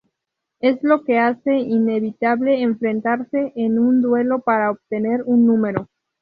Esto es lo que hace inevitable enfrentarse en un duelo para obtener un Número.